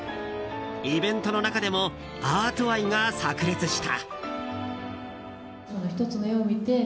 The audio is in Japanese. イベントの中でもアート愛が炸裂した。